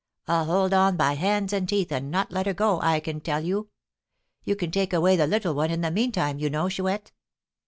I'll hold on by hands and teeth, and not let her go, I can tell you. You can take away the little one in the meantime, you know, Chouette."